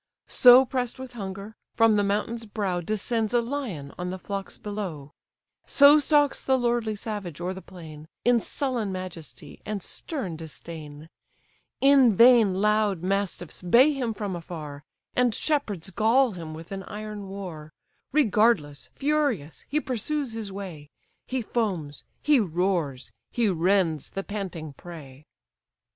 So press'd with hunger, from the mountain's brow Descends a lion on the flocks below; So stalks the lordly savage o'er the plain, In sullen majesty, and stern disdain: In vain loud mastiffs bay him from afar, And shepherds gall him with an iron war; Regardless, furious, he pursues his way; He foams, he roars, he rends the panting prey.